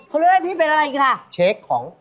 เขาเลือกให้พี่เป็นอะไรอีกค่ะเช็คของ